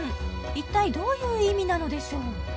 一体どういう意味なのでしょう？